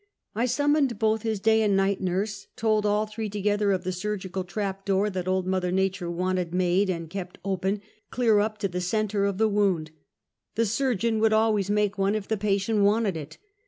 I summoned both his day and night nurse, told all three together of the surgical trap door that old Mother ]!^ature wanted made and kept open, clear up to the center of that wound. The surgeon would always make one if the patient wanted it.